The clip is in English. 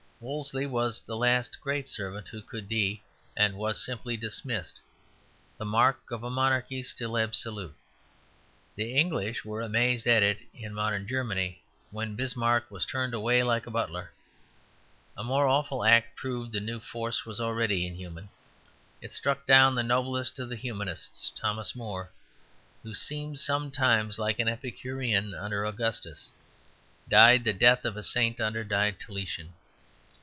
Wolsey was the last great servant who could be, and was, simply dismissed; the mark of a monarchy still absolute; the English were amazed at it in modern Germany, when Bismarck was turned away like a butler. A more awful act proved the new force was already inhuman; it struck down the noblest of the Humanists. Thomas More, who seemed sometimes like an Epicurean under Augustus, died the death of a saint under Diocletian.